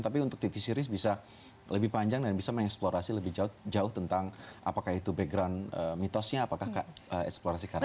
tapi untuk tv series bisa lebih panjang dan bisa mengeksplorasi lebih jauh tentang apakah itu background mitosnya apakah eksplorasi karakter